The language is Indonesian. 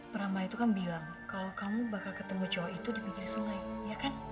prama itu kan bilang kalau kamu bakal ketemu jawa itu di pinggir sungai ya kan